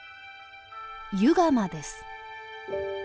湯釜です。